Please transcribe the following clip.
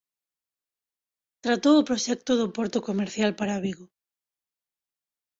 Tratou o proxecto do porto comercial para Vigo.